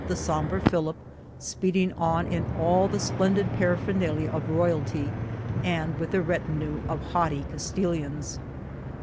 the sombre Philip, speeding on in all the splendid paraphernalia of royalty, and with their retinue of haughty Castilians.